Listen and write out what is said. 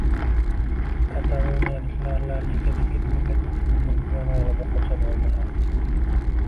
Kataloniyaliklar La Ligada ketma-ket uch o‘yindan buyon g‘alaba qozona olmayapti